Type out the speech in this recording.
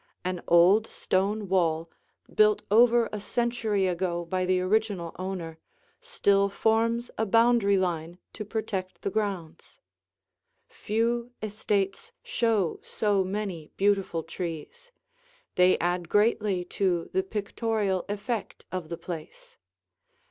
An old stone wall, built over a century ago by the original owner, still forms a boundary line to protect the grounds. Few estates show so many beautiful trees; they add greatly to the pictorial effect of the place.